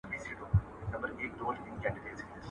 • هر شى چي ډېر غبرگ کې لنډېږي، خبره چي ډېره غبرگه کې اوږدېږي.